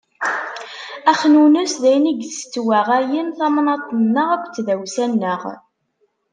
Axnunnes, d ayen i yessettwaɣayen tamnaḍt-nneɣ akked tdawsa-nneɣ.